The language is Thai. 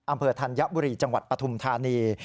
อำเภอธัญบุรีจังหวัดปฐุมธานี